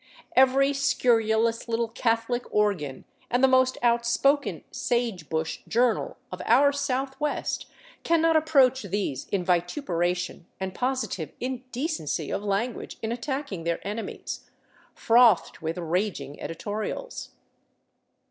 Every scurrilous little Catholic organ — and the most outspoken "sage bush" journal of our Southwest cannot approach these in vituperation and positive indecency of language in attacking their enemies — frothed with raging editorials.